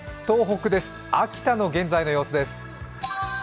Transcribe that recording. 東北・秋田の現在の様子です。